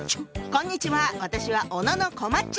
こんにちは私は小野こまっち。